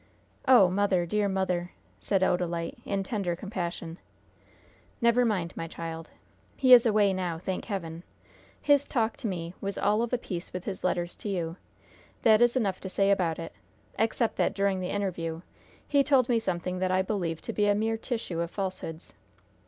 "Oh, mother, dear mother!" said Odalite, in tender compassion. "Never mind, my child. He is away now, thank Heaven! His talk to me was all of a piece with his letters to you. That is enough to say about it except that, during the interview, he told me something that I believe to be a mere tissue of falsehoods."